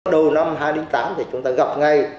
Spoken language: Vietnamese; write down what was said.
đầu năm hai nghìn tám thì chúng ta gặp ngay